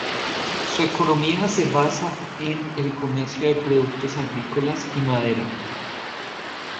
Su economía se basa en el comercio de productos agrícolas y madera.